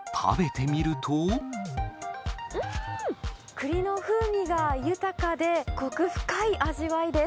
クリの風味が豊かで、こく深い味わいです。